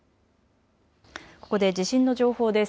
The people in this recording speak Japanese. ここで地震の情報です。